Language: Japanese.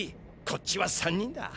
こっちは３人だ！